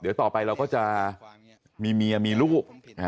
เดี๋ยวต่อไปเราก็จะมีเมียมีลูก